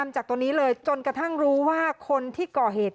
จนกระทั่งรู้ว่าคนที่ก่อเหตุ